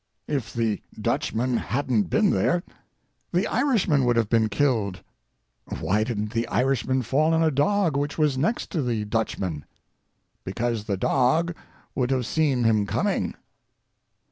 If the Dutchman hadn't been there the Irishman would have been killed. Why didn't the Irishman fall on a dog which was next to the Dutchman? Because the dog would have seen him coming."